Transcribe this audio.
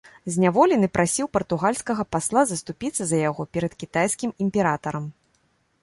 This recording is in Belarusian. Зняволены прасіў партугальскага пасла заступіцца за яго перад кітайскім імператарам.